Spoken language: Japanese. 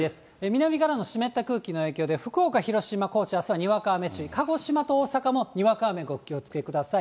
南からの湿った空気の影響で、福岡、鹿児島、高知、あすはにわか雨注意、鹿児島と大阪もにわか雨お気をつけください。